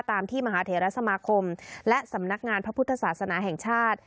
ตามที่มหาเทรสมาคมและสำนักงานพระพุทธศาสนาแห่งชาติ